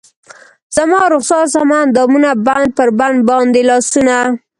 زما رخسار زما اندامونه بند پر بند باندې لاسونه